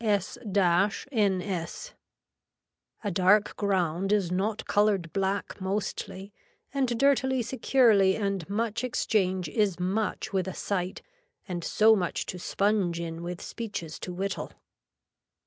S NS. A dark ground is not colored black mostly and dirtily securely and much exchange is much with a sight and so much to sponge in with speeches to whittle.